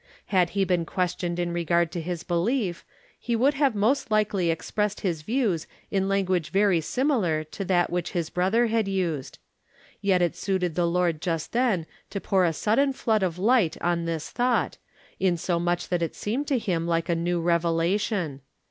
Had he been questioned in regard to his belief, he would have most likely expressed his views in language very similar to that which his brother had used. Yet it suited the Lord just then to pour a sudden flood of light on this thought, insomuch that it seemed to him like a new revelation.